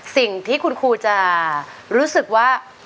สิ่งที่คุณครูจะรู้สึกว่า